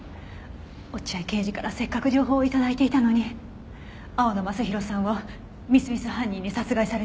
落合刑事からせっかく情報を頂いていたのに青野昌弘さんをみすみす犯人に殺害されてしまいました。